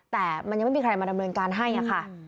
แต่มันยังไม่มีใครมาดำเนินการให้ค่ะ